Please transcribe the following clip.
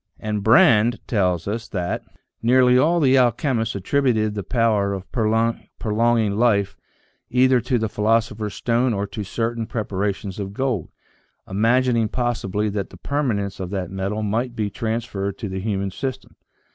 And Brande tells us that " nearly all the alchemists attributed the power of prolonging life either to the philoso pher's stone or to certain preparations of gold, imagining possibly that the permanence of that metal might be trans ferred to the human system.